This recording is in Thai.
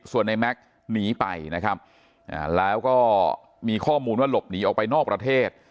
ส่วนในแม็กซ์หนีไปนะครับแล้วก็มีข้อมูลว่าหลบหนีออกไปนอกประเทศ